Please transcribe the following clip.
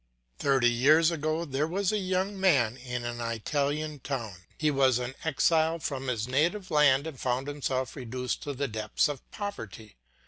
Thirty years ago there was a young man in an Italian town; he was an exile from his native land and found himself reduced to the depths of poverty.